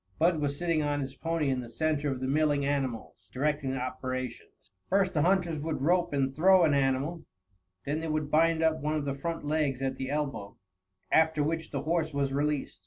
Bud was sitting on his pony in the center of the milling animals, directing the operations. First the hunters would rope and throw an animal; then they would bind up one of the front legs at the elbow, after which the horse was released.